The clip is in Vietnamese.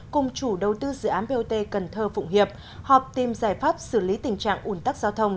cùng chủ đầu tư dự án bot cần thơ phụng hiệp họp tìm giải pháp xử lý tình trạng ủn tắc giao thông